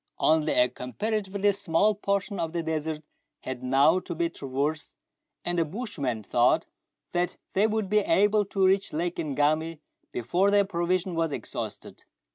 Only a comparatively small portion of the desert had now to be traversed, and the bushman thought that they would be able to reach Lake Ngami before their provision was exhausted.